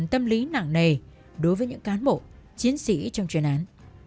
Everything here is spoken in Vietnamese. tâm lý nặng nề đối với những cán bộ chiến sĩ trong chuyên án